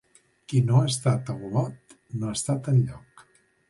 Qui no ha estat a Olot, no ha estat enlloc.